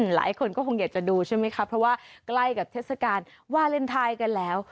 หลายคนก็คงอยากจะดูใช่ไหมคะเพราะว่าใกล้กับเทศกาลวาเลนไทยกันแล้ว